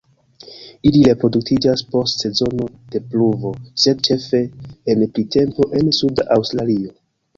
Ili reproduktiĝas post sezono de pluvo sed ĉefe en printempo en Suda Aŭstralio.